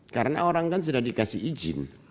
karena orang kan sudah dikasih izin